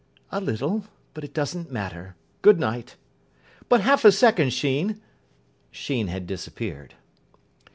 "A little. But it doesn't matter. Good night." "But half a second, Sheen " Sheen had disappeared.